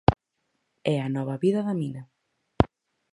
É a nova vida da mina.